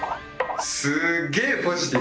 すっげえポジティブ。